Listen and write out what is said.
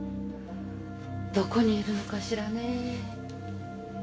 どこにいるのかしらねえ。